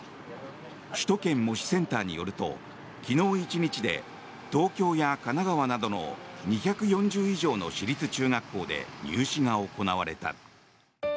首都圏模試センターによると昨日１日で東京や神奈川などの２４０以上の私立中学校で入試が行われた。